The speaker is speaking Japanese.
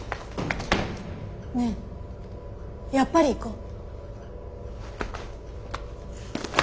ねえやっぱり行こう。